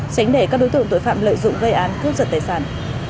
tránh để các đối tượng tội phạm lợi dụng gây án cướp giật tài sản